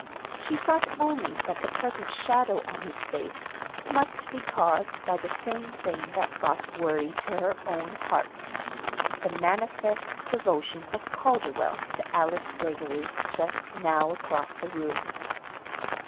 She thought only that the present shadow on his face must be caused by the same thing that brought worry to her own heart the manifest devotion of Calderwell to Alice Greggory just now across the room.